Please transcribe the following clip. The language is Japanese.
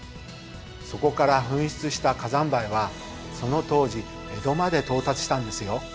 そこから噴出した火山灰はその当時江戸まで到達したんですよ。